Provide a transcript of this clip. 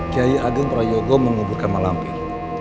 kiai ageng prayogo menguburkan mahlampin